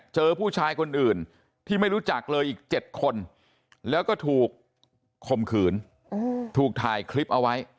เจอผู้ชายคนอื่นที่ไม่รู้จักเลยอีก๗คนแล้วก็ถูกข่มขืนถูกถ่ายคลิปเอาไว้